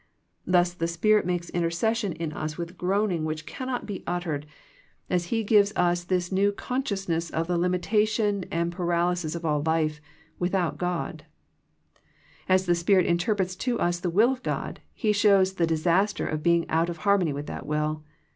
Thus the Spirit makes intercession in us with groaning which cannot be THE PEEPAEATION FOE PEAYEE 59 uttered as He gives us this new consciousness of the limitation and paralysis of all life without GodJ As the Spirit interprets to us the will of God, He shows the disaster of being out of harmony with that will.